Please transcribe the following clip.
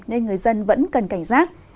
nên người dân vẫn cần cảnh giác